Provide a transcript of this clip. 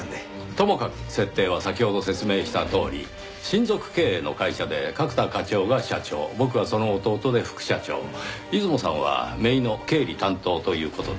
ともかく設定は先ほど説明したとおり親族経営の会社で角田課長が社長僕はその弟で副社長出雲さんは姪の経理担当という事で。